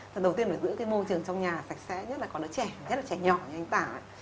thần đầu tiên phải giữ môi trường trong nhà sạch sẽ nhất là con đứa trẻ nhất là trẻ nhỏ như anh tả